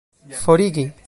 forigi